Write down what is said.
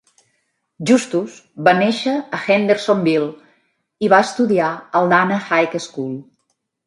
Justus va néixer a Hendersonville i va estudiar al Dana High School.